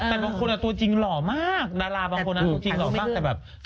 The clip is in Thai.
แต่บางคนตัวจริงหล่อมากดาราบางคนตัวจริงหล่อมากแต่แบบ